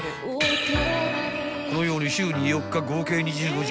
［このように週に４日合計２５時間